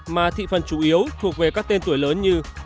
mà thị phần chủ yếu thuộc về các tên tuổi lớn như